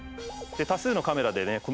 多数のカメラでね